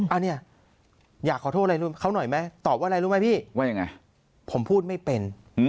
อันนี้อยากขอโทษอะไรเขาหน่อยไหมตอบว่าอะไรรู้ไหมพี่ว่ายังไงผมพูดไม่เป็น